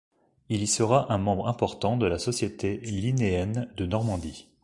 Il y sera un membre important de la Société Linnéenne de Normandie.